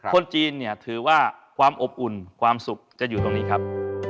คนจีนเนี่ยถือว่าความอบอุ่นความสุขจะอยู่ตรงนี้ครับ